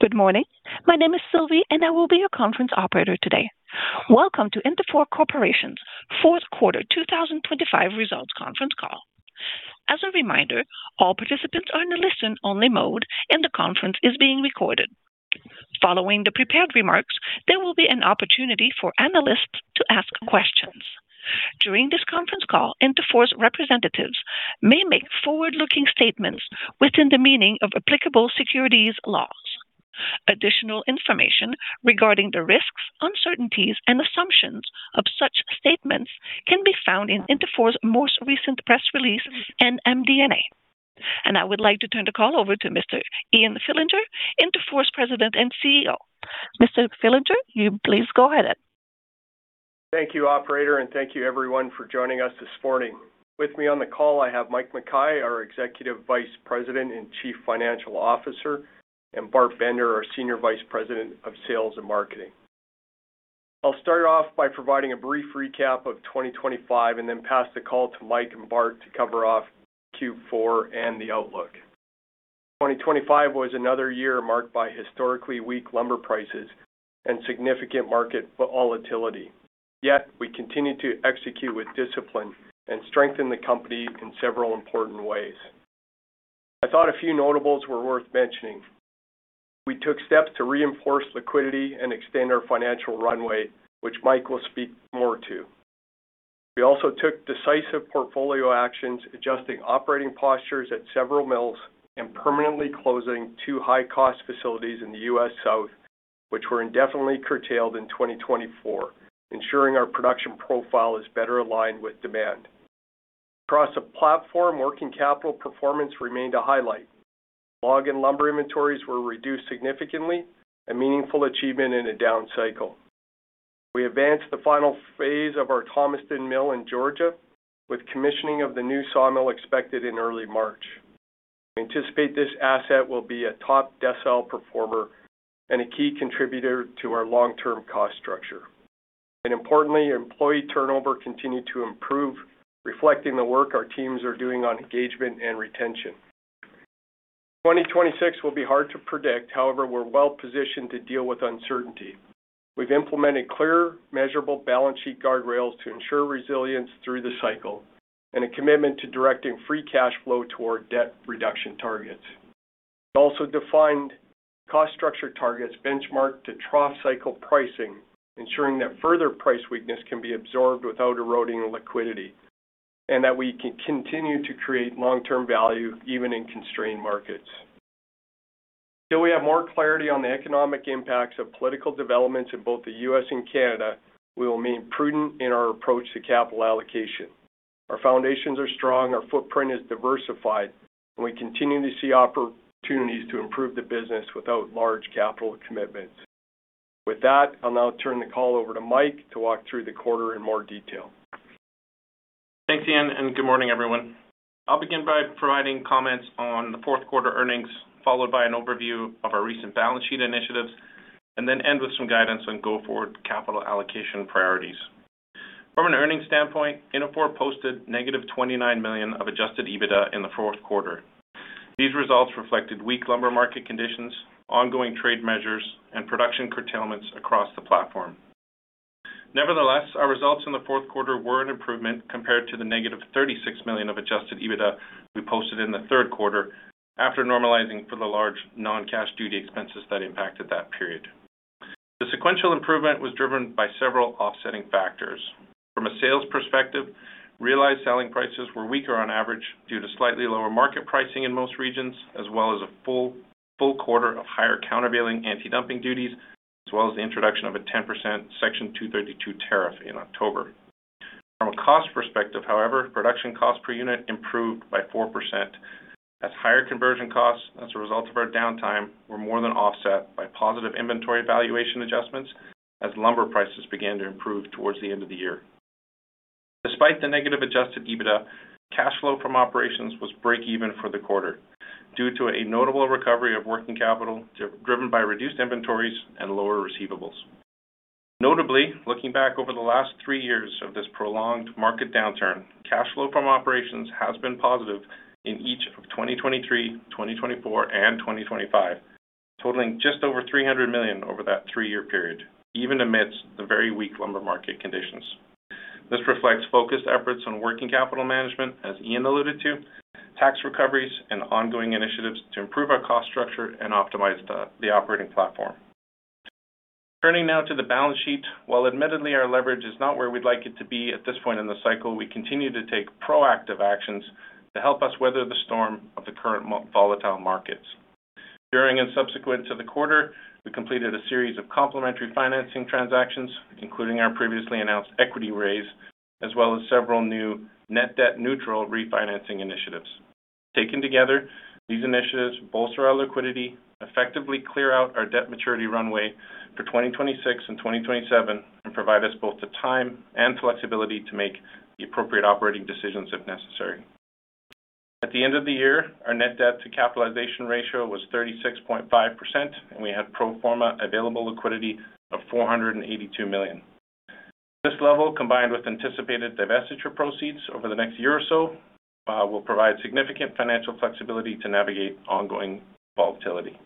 Good morning. My name is Sylvie, and I will be your conference operator today. Welcome to Interfor Corporation's Fourth Quarter 2025 Results Conference Call. As a reminder, all participants are in a listen-only mode, and the conference is being recorded. Following the prepared remarks, there will be an opportunity for analysts to ask questions. During this conference call, Interfor's representatives may make forward-looking statements within the meaning of applicable securities laws. Additional information regarding the risks, uncertainties, and assumptions of such statements can be found in Interfor's most recent press release and MD&A. I would like to turn the call over to Mr. Ian Fillinger, Interfor's President and CEO. Mr. Fillinger, you please go ahead. Thank you, operator, and thank you everyone for joining us this morning. With me on the call, I have Mike Mackay, our Executive Vice President and Chief Financial Officer, and Bart Bender, our Senior Vice President of Sales and Marketing. I'll start off by providing a brief recap of 2025 and then pass the call to Mike and Bart to cover off Q4 and the outlook. 2025 was another year marked by historically weak lumber prices and significant market volatility. Yet we continued to execute with discipline and strengthen the company in several important ways. I thought a few notables were worth mentioning. We took steps to reinforce liquidity and extend our financial runway, which Mike will speak more to. We also took decisive portfolio actions, adjusting operating postures at several mills and permanently closing two high-cost facilities in the U.S. South, which were indefinitely curtailed in 2024, ensuring our production profile is better aligned with demand. Across the platform, working capital performance remained a highlight. Log and lumber inventories were reduced significantly, a meaningful achievement in a down cycle. We advanced the final phase of our Thomaston Mill in Georgia, with commissioning of the new sawmill expected in early March. We anticipate this asset will be a top decile performer and a key contributor to our long-term cost structure. And importantly, employee turnover continued to improve, reflecting the work our teams are doing on engagement and retention. 2026 will be hard to predict. However, we're well-positioned to deal with uncertainty. We've implemented clear, measurable balance sheet guardrails to ensure resilience through the cycle and a commitment to directing free cash flow toward debt reduction targets. We also defined cost structure targets benchmarked to trough cycle pricing, ensuring that further price weakness can be absorbed without eroding liquidity and that we can continue to create long-term value even in constrained markets. Till we have more clarity on the economic impacts of political developments in both the U.S. and Canada, we will remain prudent in our approach to capital allocation. Our foundations are strong, our footprint is diversified, and we continue to see opportunities to improve the business without large capital commitments. With that, I'll now turn the call over to Mike to walk through the quarter in more detail. Thanks, Ian, and good morning, everyone. I'll begin by providing comments on the fourth quarter earnings, followed by an overview of our recent balance sheet initiatives, and then end with some guidance on go-forward capital allocation priorities. From an earnings standpoint, Interfor posted negative 29 million of Adjusted EBITDA in the fourth quarter. These results reflected weak lumber market conditions, ongoing trade measures, and production curtailments across the platform. Nevertheless, our results in the fourth quarter were an improvement compared to the negative 36 million of adjusted EBITDA we posted in the third quarter, after normalizing for the large non-cash duty expenses that impacted that period. The sequential improvement was driven by several offsetting factors. From a sales perspective, realized selling prices were weaker on average due to slightly lower market pricing in most regions, as well as a full quarter of higher countervailing antidumping duties, as well as the introduction of a 10% Section 232 tariff in October. From a cost perspective, however, production cost per unit improved by 4%, as higher conversion costs as a result of our downtime were more than offset by positive inventory valuation adjustments as lumber prices began to improve towards the end of the year. Despite the negative Adjusted EBITDA, cash flow from operations was break even for the quarter due to a notable recovery of working capital, driven by reduced inventories and lower receivables. Notably, looking back over the last three years of this prolonged market downturn, cash flow from operations has been positive in each of 2023, 2024, and 2025, totaling just over 300 million over that three-year period, even amidst the very weak lumber market conditions. This reflects focused efforts on working capital management, as Ian alluded to, tax recoveries and ongoing initiatives to improve our cost structure and optimize the operating platform. Turning now to the balance sheet. While admittedly, our leverage is not where we'd like it to be at this point in the cycle, we continue to take proactive actions to help us weather the storm of the current volatile markets. During and subsequent to the quarter, we completed a series of complementary financing transactions, including our previously announced equity raise, as well as several new net debt-neutral refinancing initiatives. Taken together, these initiatives bolster our liquidity, effectively clear out our debt maturity runway for 2026 and 2027, and provide us both the time and flexibility to make the appropriate operating decisions if necessary. At the end of the year, our net debt to capitalization ratio was 36.5%, and we had pro forma available liquidity of 482 million. This level, combined with anticipated divestiture proceeds over the next year or so, will provide significant financial flexibility to navigate ongoing volatility.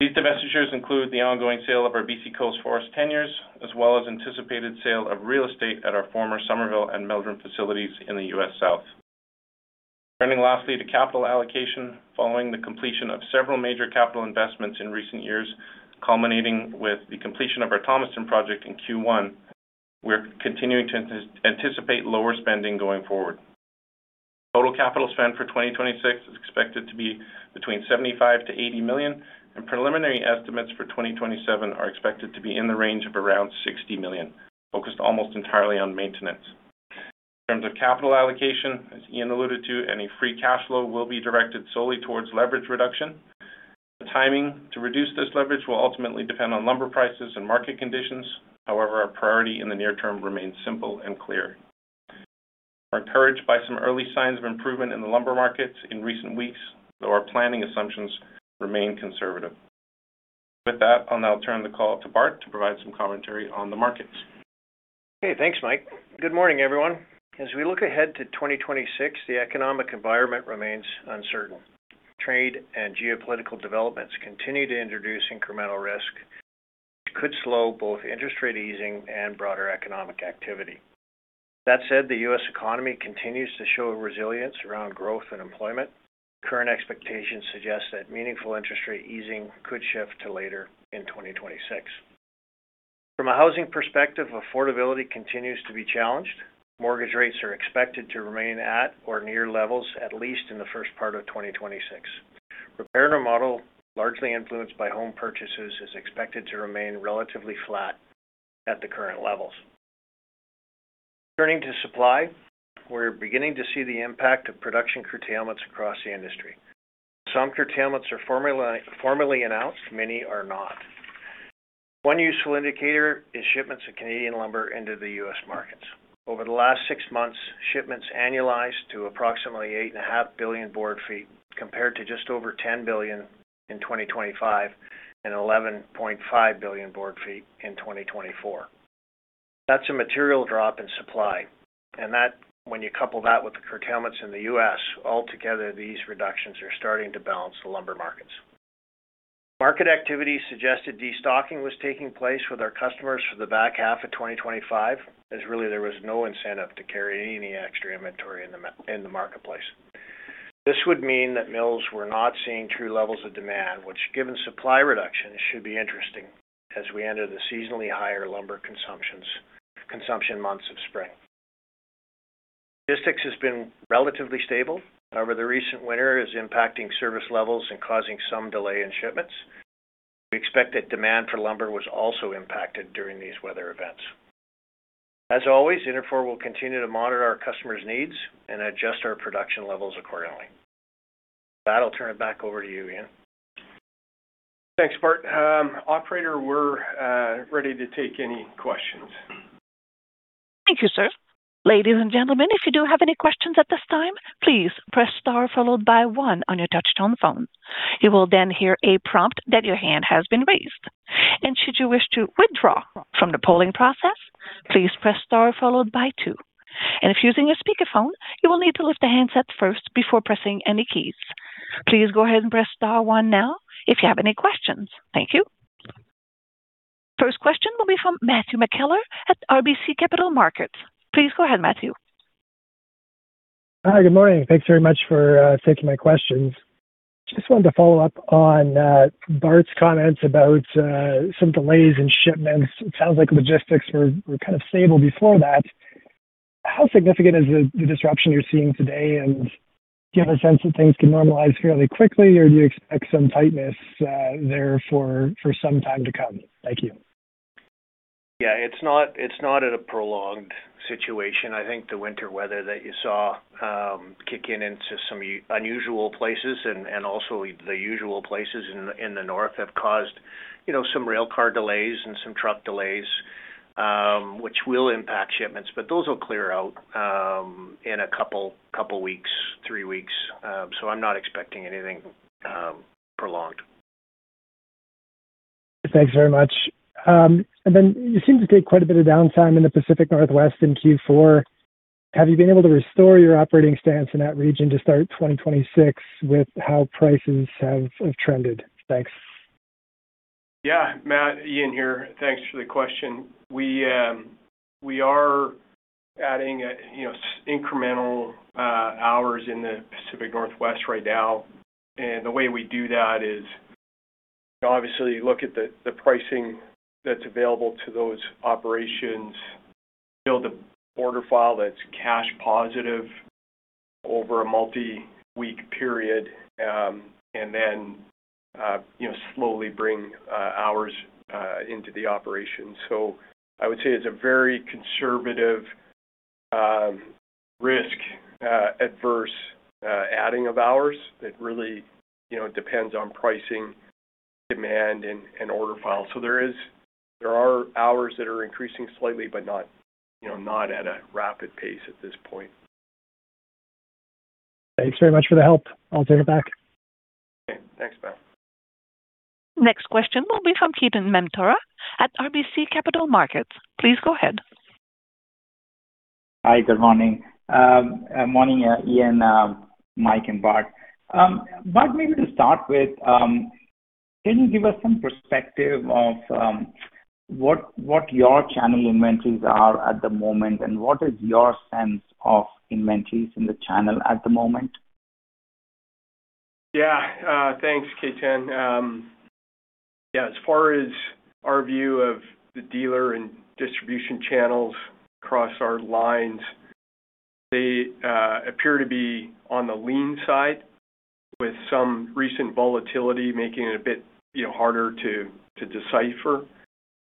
These divestitures include the ongoing sale of our BC Coast forest tenures, as well as anticipated sale of real estate at our former Summerville and Meldrim facilities in the U.S. South. Turning lastly to capital allocation, following the completion of several major capital investments in recent years, culminating with the completion of our Thomaston project in Q1, we're continuing to anticipate lower spending going forward. Total capital spend for 2026 is expected to be between 75 million-80 million, and preliminary estimates for 2027 are expected to be in the range of around 60 million, focused almost entirely on maintenance. In terms of capital allocation, as Ian alluded to, any free cash flow will be directed solely towards leverage reduction. The timing to reduce this leverage will ultimately depend on lumber prices and market conditions. However, our priority in the near term remains simple and clear. We're encouraged by some early signs of improvement in the lumber markets in recent weeks, though our planning assumptions remain conservative. With that, I'll now turn the call to Bart to provide some commentary on the markets. Hey, thanks, Mike. Good morning, everyone. As we look ahead to 2026, the economic environment remains uncertain. Trade and geopolitical developments continue to introduce incremental risk, which could slow both interest rate easing and broader economic activity. That said, the U.S. economy continues to show resilience around growth and employment. Current expectations suggest that meaningful interest rate easing could shift to later in 2026. From a housing perspective, affordability continues to be challenged. Mortgage rates are expected to remain at or near levels, at least in the first part of 2026. Repair and remodel, largely influenced by home purchases, is expected to remain relatively flat at the current levels. Turning to supply, we're beginning to see the impact of production curtailments across the industry. Some curtailments are formally announced, many are not. One useful indicator is shipments of Canadian lumber into the U.S. markets. Over the last six months, shipments annualized to approximately 8.5 billion board feet, compared to just over 10 billion in 2025 and 11.5 billion board feet in 2024. That's a material drop in supply, and that, when you couple that with the curtailments in the U.S., altogether, these reductions are starting to balance the lumber markets. Market activity suggested destocking was taking place with our customers for the back half of 2025, as really there was no incentive to carry any extra inventory in the marketplace. This would mean that mills were not seeing true levels of demand, which, given supply reduction, should be interesting as we enter the seasonally higher lumber consumption months of spring. Logistics has been relatively stable. However, the recent winter is impacting service levels and causing some delay in shipments. We expect that demand for lumber was also impacted during these weather events. As always, Interfor will continue to monitor our customers' needs and adjust our production levels accordingly. With that, I'll turn it back over to you, Ian. Thanks, Bart. Operator, we're ready to take any questions. Thank you, sir. Ladies and gentlemen, if you do have any questions at this time, please press star followed by one on your touchtone phone. You will then hear a prompt that your hand has been raised, and should you wish to withdraw from the polling process, please press star followed by two. And if using a speakerphone, you will need to lift the handset first before pressing any keys. Please go ahead and press star one now if you have any questions. Thank you. First question will be from Matthew McKellar at RBC Capital Markets. Please go ahead, Matthew. Hi, good morning. Thanks very much for taking my questions. Just wanted to follow up on Bart's comments about some delays in shipments. It sounds like logistics were kind of stable before that. How significant is the disruption you're seeing today, and do you have a sense that things can normalize fairly quickly, or do you expect some tightness there for some time to come? Thank you. Yeah, it's not a prolonged situation. I think the winter weather that you saw kick in into some unusual places and also the usual places in the north have caused, you know, some rail car delays and some truck delays, which will impact shipments, but those will clear out in a couple weeks, three weeks. So I'm not expecting anything prolonged. Thanks very much. And then you seem to take quite a bit of downtime in the Pacific Northwest in Q4. Have you been able to restore your operating stance in that region to start 2026 with how prices have, have trended? Thanks. Yeah, Matt, Ian here. Thanks for the question. We are adding, you know, incremental hours in the Pacific Northwest right now, and the way we do that is, obviously, look at the pricing that's available to those operations, build an order file that's cash positive over a multi-week period, and then, you know, slowly bring hours into the operation. So I would say it's a very conservative, risk-averse adding of hours that really, you know, depends on pricing, demand, and order files. So there are hours that are increasing slightly, but not, you know, not at a rapid pace at this point. Thanks very much for the help. I'll turn it back. Next question will be from Ketan Mamtora at BMO Capital Markets. Please go ahead. Hi, good morning. Morning, Ian, Mike, and Bart. Bart, maybe to start with, can you give us some perspective of what your channel inventories are at the moment, and what is your sense of inventories in the channel at the moment? Yeah, thanks, Ketan. Yeah, as far as our view of the dealer and distribution channels across our lines, they appear to be on the lean side, with some recent volatility, making it a bit, you know, harder to decipher.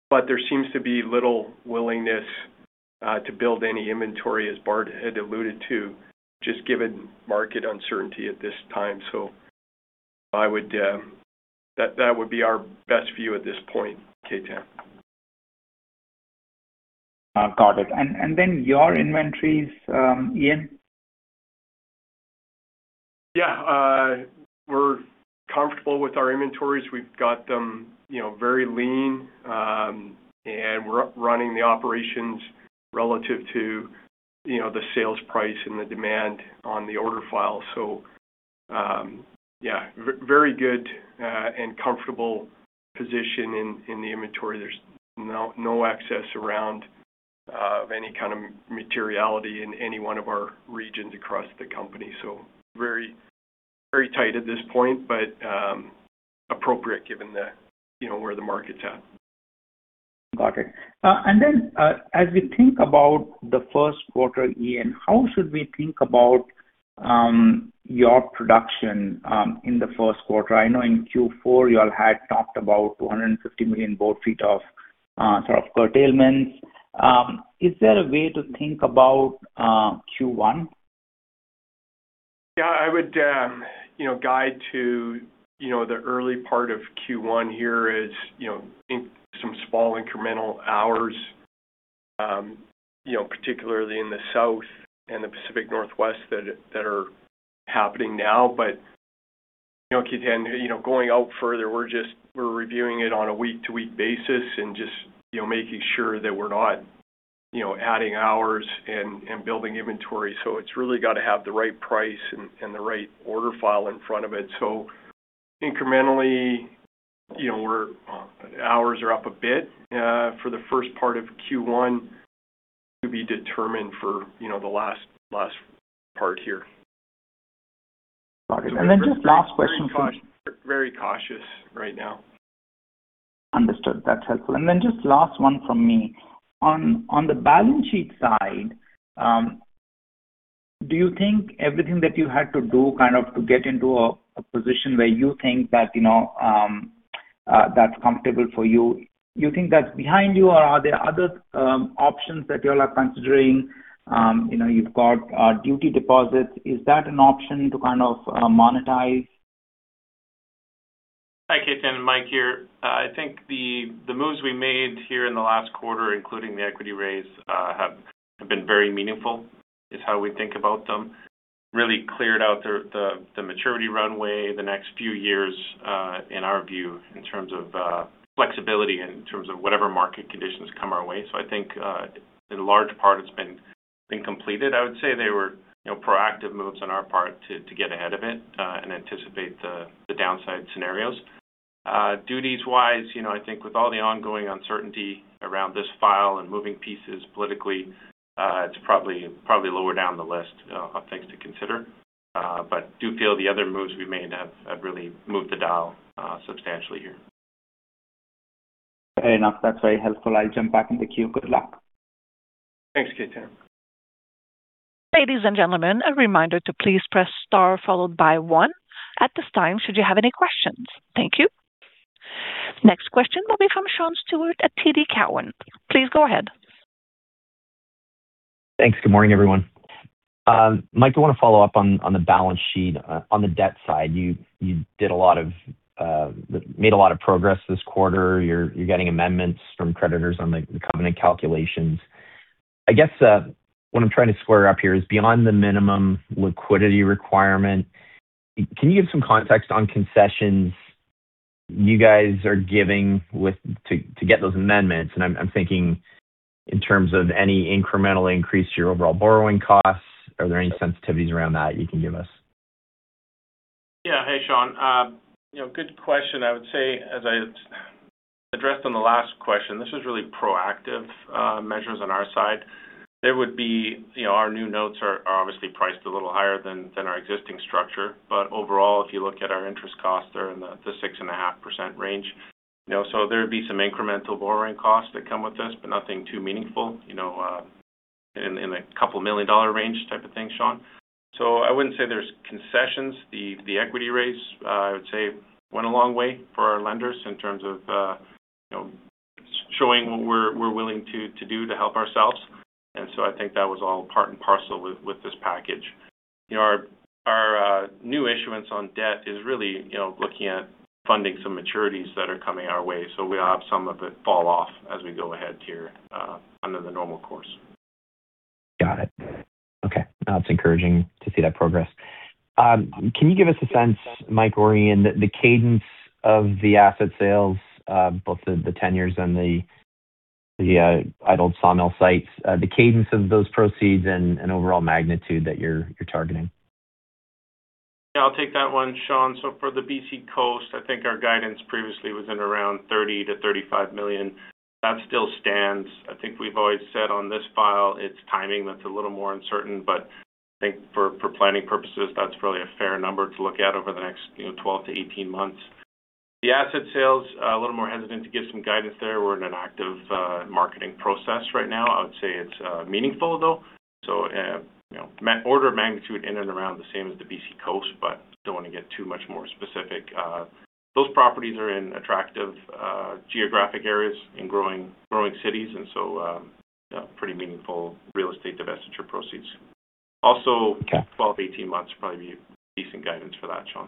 But there seems to be little willingness to build any inventory, as Bart had alluded to, just given market uncertainty at this time. So I would... That would be our best view at this point, Ketan. Got it. And, and then your inventories, Ian? Yeah, we're comfortable with our inventories. We've got them, you know, very lean, and we're running the operations relative to, you know, the sales price and the demand on the order file. So, yeah, very good, and comfortable position in the inventory. There's no excess around, of any kind of materiality in any one of our regions across the company. So very, very tight at this point, but, appropriate given the, you know, where the market's at. Got it. And then, as we think about the first quarter, Ian, how should we think about your production in the first quarter? I know in Q4, you all had talked about 250 million board feet of sort of curtailments. Is there a way to think about Q1? Yeah, I would, you know, guide to, you know, the early part of Q1 here is, you know, in some small incremental hours, you know, particularly in the South and the Pacific Northwest, that are happening now. But, you know, Ketan, you know, going out further, we're just reviewing it on a week-to-week basis and just, you know, making sure that we're not, you know, adding hours and building inventory. So it's really got to have the right price and the right order file in front of it. So incrementally, you know, we're hours are up a bit for the first part of Q1 to be determined for, you know, the last part here. Got it. And then just last question- Very cautious right now. Understood. That's helpful. And then just last one from me. On the balance sheet side, do you think everything that you had to do kind of to get into a position where you think that, you know, that's comfortable for you, you think that's behind you, or are there other options that you all are considering? You know, you've got duty deposits. Is that an option to kind of monetize? Hi, Ketan, Mike here. I think the moves we made here in the last quarter, including the equity raise, have been very meaningful, is how we think about them. Really cleared out the maturity runway the next few years, in our view, in terms of flexibility, in terms of whatever market conditions come our way. So I think, in large part, it's been completed. I would say they were, you know, proactive moves on our part to get ahead of it and anticipate the downside scenarios. Duties-wise, you know, I think with all the ongoing uncertainty around this file and moving pieces politically, it's probably lower down the list of things to consider, but do feel the other moves we made have really moved the dial substantially here. Enough. That's very helpful. I'll jump back in the queue. Good luck. Thanks, Ketan. Ladies and gentlemen, a reminder to please press star followed by one at this time, should you have any questions. Thank you. Next question will be from Sean Steuart at TD Cowen. Please go ahead. Thanks. Good morning, everyone. Mike, I want to follow up on, on the balance sheet. On the debt side, you, you did a lot of, made a lot of progress this quarter. You're, you're getting amendments from creditors on the, the covenant calculations. I guess, what I'm trying to square up here is, beyond the minimum liquidity requirement, can you give some context on concessions you guys are giving with to, to get those amendments? And I'm, I'm thinking in terms of any incremental increase to your overall borrowing costs. Are there any sensitivities around that you can give us? Yeah. Hey, Sean. You know, good question. I would say, as I addressed on the last question, this is really proactive measures on our side. There would be, you know, our new notes are obviously priced a little higher than our existing structure. But overall, if you look at our interest costs, they're in the 6.5% range. You know, so there would be some incremental borrowing costs that come with this, but nothing too meaningful, you know, in a couple million dollar range type of thing, Sean. So I wouldn't say there's concessions. The equity raise, I would say, went a long way for our lenders in terms of, you know, showing what we're willing to do to help ourselves. And so I think that was all part and parcel with this package. You know, our new issuance on debt is really, you know, looking at funding some maturities that are coming our way. So we have some of it fall off as we go ahead here, under the normal course. Got it. Okay, that's encouraging to see that progress. Can you give us a sense, Mike or Ian, the cadence of the asset sales, both the tenures and the idled sawmill sites, the cadence of those proceeds and overall magnitude that you're targeting? Yeah, I'll take that one, Sean. So for the BC coast, I think our guidance previously was in around 30 million-35 million. That still stands. I think we've always said on this file, it's timing that's a little more uncertain, but I think for planning purposes, that's probably a fair number to look at over the next, you know, 12-18 months. The asset sales, a little more hesitant to give some guidance there. We're in an active marketing process right now. I would say it's meaningful, though, so, you know, order of magnitude in and around the same as the BC coast, but don't want to get too much more specific. Those properties are in attractive geographic areas in growing cities, and so, pretty meaningful real estate divestiture proceeds. Also- Okay. 12-18 months probably be decent guidance for that, Sean.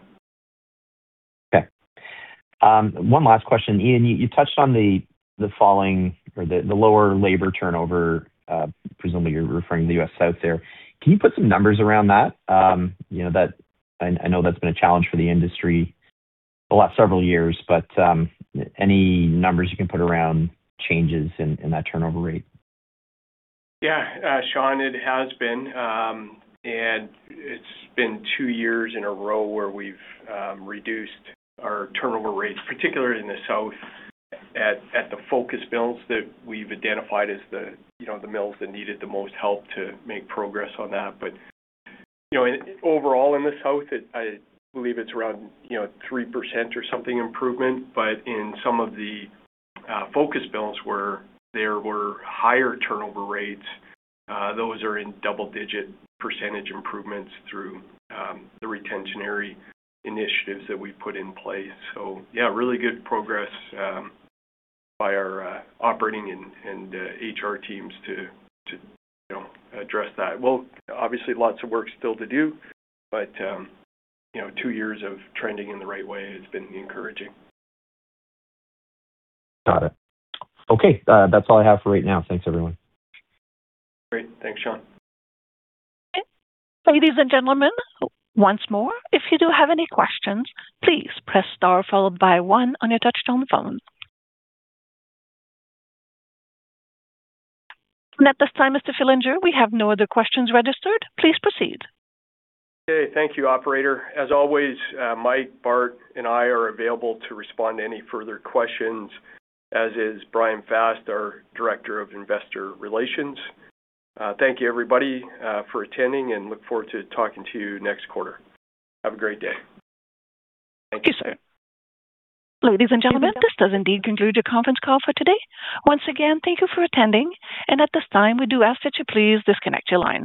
Okay. One last question. Ian, you touched on the falling or the lower labor turnover. Presumably, you're referring to the U.S. South there. Can you put some numbers around that? You know, I know that's been a challenge for the industry the last several years, but any numbers you can put around changes in that turnover rate? Yeah, Sean, it has been, and it's been two years in a row where we've reduced our turnover rates, particularly in the South at the focus mills that we've identified as the, you know, the mills that needed the most help to make progress on that. But, you know, and overall in the South, it, I believe it's around, you know, 3% or something improvement, but in some of the focus mills where there were higher turnover rates, those are in double-digit percentage improvements through the retentionary initiatives that we've put in place. So yeah, really good progress by our operating and HR teams to, you know, address that. Well, obviously, lots of work still to do, but, you know, two years of trending in the right way has been encouraging. Got it. Okay, that's all I have for right now. Thanks, everyone. Great. Thanks, Sean. Ladies and gentlemen, once more, if you do have any questions, please press star followed by one on your touch-tone phone. At this time, Mr. Fillinger, we have no other questions registered. Please proceed. Okay, thank you, operator. As always, Mike, Bart, and I are available to respond to any further questions, as is Brian Fast, our Director of Investor Relations. Thank you, everybody, for attending, and look forward to talking to you next quarter. Have a great day. Thank you, sir. Ladies and gentlemen, this does indeed conclude the conference call for today. Once again, thank you for attending, and at this time, we do ask that you please disconnect your line.